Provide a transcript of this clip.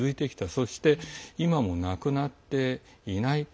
そして今も、なくなっていない。